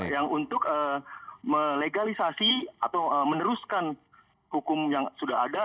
yang untuk melegalisasi atau meneruskan hukum yang sudah ada